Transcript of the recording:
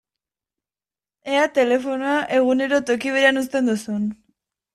Ea telefonoa egunero toki berean uzten duzun!